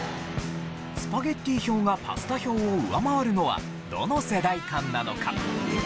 スパゲッティ票がパスタ票を上回るのはどの世代間なのか？